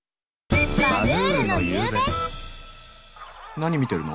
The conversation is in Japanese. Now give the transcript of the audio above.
何見てるの？